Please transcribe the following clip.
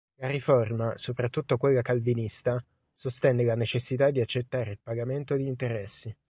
La Riforma, soprattutto quella calvinista, sostenne la necessità di accettare il pagamento di interessi.